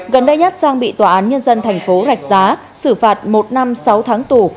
gần đây nhất sang bị tòa án nhân dân thành phố rạch giá xử phạt một năm sáu tháng tù